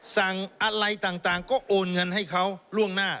สั่งอะไรต่างก็โอนเงินให้เขาล่วงหน้า